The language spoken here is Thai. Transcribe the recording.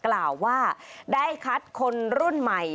กล่าวว่าได้คัดคนรุ่นใหม่